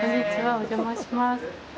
お邪魔します。